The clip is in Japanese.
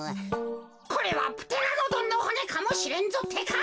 これはプテラノドンのほねかもしれんぞってか。